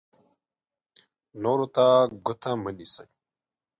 نورو ته ګوته مه نیسئ.